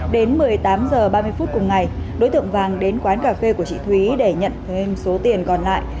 đến một mươi tám h ba mươi phút cùng ngày đối tượng vàng đến quán cà phê của chị thúy để nhận thêm số tiền còn lại